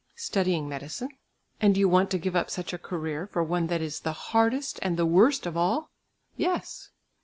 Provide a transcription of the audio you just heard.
"Studying medicine." "And you want to give up such a career, for one that is the hardest and the worst of all?" "Yes."